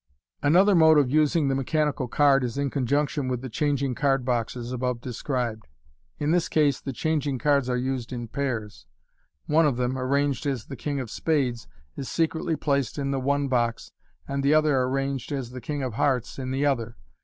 Another mode of using the mechanical card is in conjunction with the changing card boxes, above described. In this case the changing cards are used in pairs. One of them, arranged as the king of spades, is secretly placed in the one box, and the other, arranged as the king of hearts, in the other.